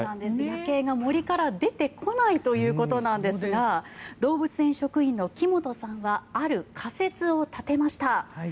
ヤケイが森から出てこないということなんですが動物園職員の木本さんはある仮説を立てました。